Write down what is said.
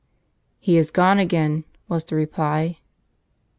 "" He is gone again," was the reply.